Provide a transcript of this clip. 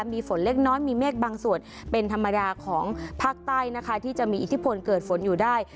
มีฝนเล็กน้อยมีเมฆบางส่วนเป็นธรรมดาของภาคใต้นะคะที่จะมีอิทธิพลเกิดฝนอยู่ได้